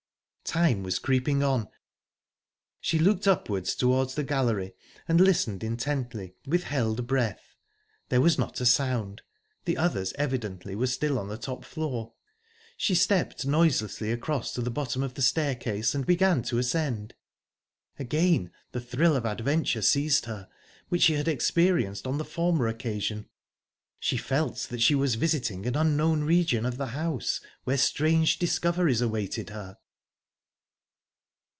Time was creeping on. She looked upwards towards the gallery, and listened intently, with held breath. There was not a sound; the others evidently were still on the top floor. She stepped noiselessly across to the bottom of the staircase, and began to ascend. Again the thrill of adventure seized her which she had experienced on the former occasion. She felt that she was visiting an unknown region of the house, where strange discoveries awaited her...